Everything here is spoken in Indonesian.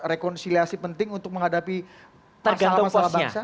rekonsiliasi penting untuk menghadapi masalah masalah bangsa